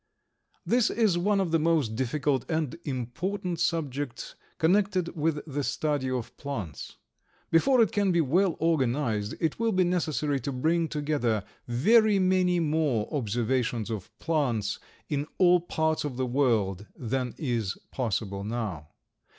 This is one of the most difficult and important subjects connected with the study of plants. Before it can be well organized it will be necessary to bring together very many more observations of plants in all parts of the world than is possible now.